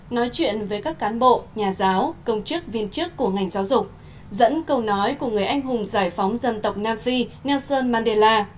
nói chuyện với các cán bộ nhà giáo công chức viên chức của ngành giáo dục dẫn câu nói của người anh hùng giải phóng dân tộc nam phi nelson mandela